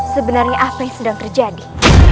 sebenarnya apa yang sedang terjadi